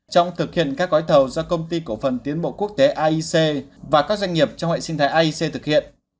trong thực hiện các gói thầu do công ty cổ phần tiến bộ quốc tế aic và các doanh nghiệp trong hệ sinh thái aic thực hiện